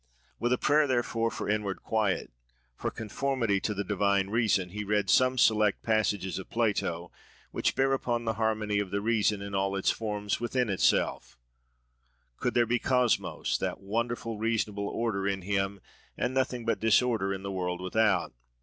With a prayer, therefore, for inward quiet, for conformity to the divine reason, he read some select passages of Plato, which bear upon the harmony of the reason, in all its forms, with itself—"Could there be Cosmos, that wonderful, reasonable order, in him, and nothing but disorder in the world without?"